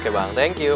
oke bang thank you